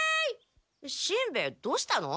しんべヱどうしたの？